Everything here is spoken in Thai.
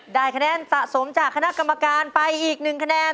ได้คะแนนสะสมจากคณะกรรมการไปอีก๑คะแนน